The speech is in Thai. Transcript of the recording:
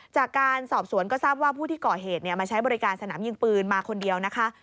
จากการสอบสวนก็ทราบว่าผู้ที่ก่อเหตุมาใช้บริการสนามยิงปืนมาคนเดียวนะคะ